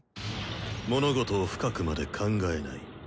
物事を深くまで考えない。